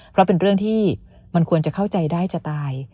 เพราะเป็นเรื่องที่มันควรจะเข้าใจได้จะตาย